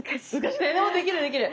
でもできるできる。